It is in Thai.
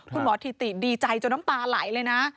ถิติดีใจจนน้ำตาไหลเลยนะ